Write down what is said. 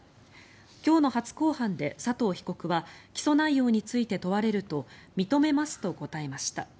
今日の初公判で佐藤被告は起訴内容について問われると認めますと答えました。